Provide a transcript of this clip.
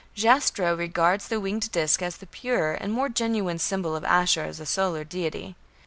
Jastrow regards the winged disc as "the purer and more genuine symbol of Ashur as a solar deity".